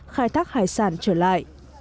khai thác hải sản trở lại